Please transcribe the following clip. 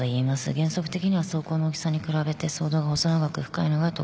原則的には創口の大きさに比べて創洞が細長く深いのが特徴です。